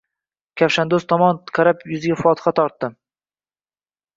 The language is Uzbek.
Kavshandoz tomonga qarab yuziga fotiha tortdi.